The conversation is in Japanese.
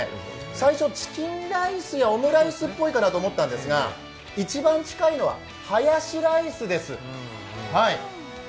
最初チキンライスやオムライスっぽいかなと思ったんですが一番近いのは、ハヤシライスです。